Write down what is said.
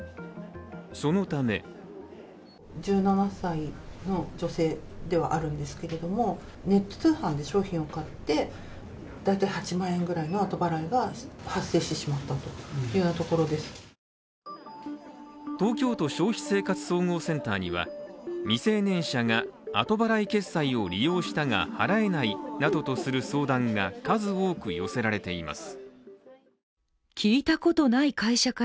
そのため東京都消費生活総合センターには未成年者が後払い決済を利用したが、払えないなどとする相談が数多く寄せられています。